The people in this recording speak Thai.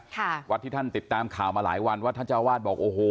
วัดที่ท่านติดตามข่าวมาหลายวันว่าท่านเจ้าวาดบอกโอ้โห